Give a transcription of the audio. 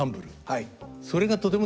はい。